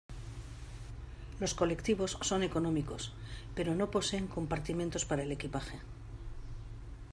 Los colectivos son económicos, pero no poseen compartimentos para el equipaje.